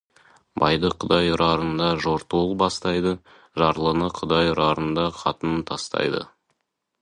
Байды Құдай ұрарында жортуыл бастайды, жарлыны Құдай ұрарында қатынын тастайды.